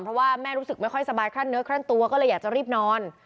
เพราะว่าแม่รู้สึกไม่ค่อยสบายคลั่นเนื้อคลั่นตัวก็เลยอยากจะรีบนอน